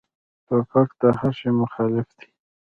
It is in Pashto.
توپک د هر شي مخالف دی.